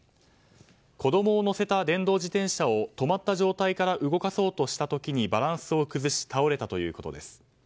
子供を乗せた電動自転車を止まった状態から動かそうとした時にバランスを崩し倒れたということです。